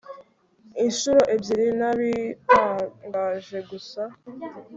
inshuro ebyiri nabitangaje gusa